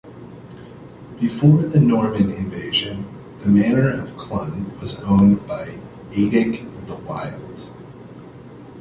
Before the Norman invasion, the manor of Clun was owned by Eadric the Wild.